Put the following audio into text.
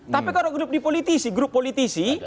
tapi kalau grup di politisi grup politisi